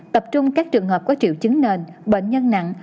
tập trung các trường hợp có triệu chứng nền bệnh nhân nặng